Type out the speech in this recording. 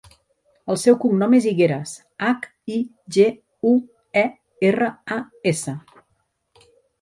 El seu cognom és Higueras: hac, i, ge, u, e, erra, a, essa.